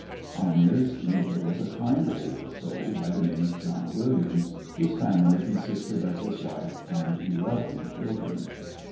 Our nearest neighbor was a kind old soul by the name of John Williams, whose family consisted of his wife and eleven children.